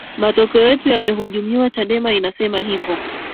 matokeo yetu yamehujumia chadema inasema hivo